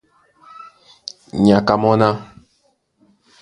Nyaka mɔ́ ná: